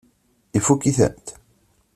Ifukk-itent?